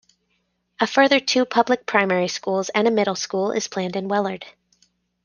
A further two public primary schools and a middle school is planned in Wellard.